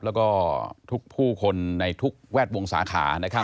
แล้วก็ทุกผู้คนในทุกแวดวงศาขานะครับ